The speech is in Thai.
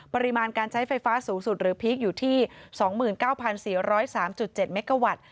ปริมาณการใช้ไฟฟ้าสูงสุดหรือพีคอยู่ที่๒๙๔๐๓๗เมกาวัตต์